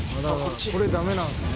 「これダメなんですね」